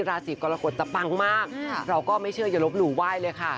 ราศีกรกฎจะปังมากเราก็ไม่เชื่ออย่าลบหลู่ไหว้เลยค่ะ